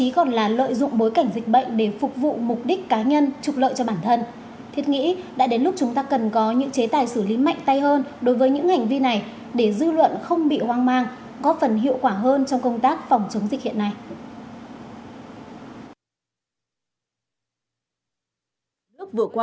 có phần hiệu quả hơn trong công tác phòng chống dịch hiện nay